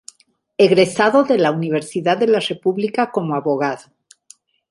Egresado de la Universidad de la República como abogado.